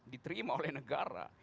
diterima oleh negara